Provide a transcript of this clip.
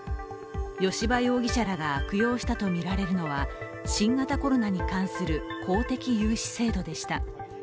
吉羽容疑者らが悪用したとみられるのは、新型コロナに関する公的融資制度でした。